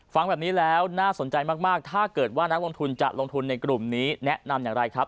ฟังแบบนี้แล้วน่าสนใจมากถ้าเกิดว่านักลงทุนจะลงทุนในกลุ่มนี้แนะนำอย่างไรครับ